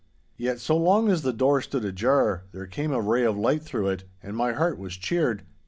Yet, so long as the door stood ajar, there came a ray of light through it, and my heart was cheered.